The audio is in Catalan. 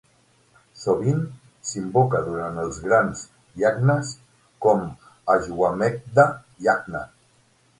Sovint s'invoca durant els grans yagnas, com l'Ashwamedha yagna.